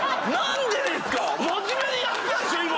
真面目にやったでしょ今！